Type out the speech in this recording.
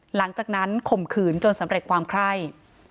หลังจากนั้นข่มขืนจนสำเร็จความไคร่